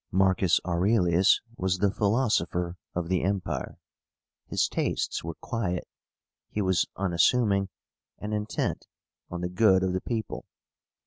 Marcus Aurelius was the PHILOSOPHER of the Empire. His tastes were quiet; he was unassuming, and intent on the good of the people.